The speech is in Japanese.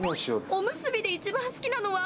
おむすびで一番好きなのは？